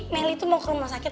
meli tuh mau ke rumah sakit